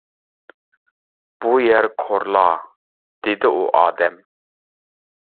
بۇ يەر كورلا- دېدى ئۇ ئادەم.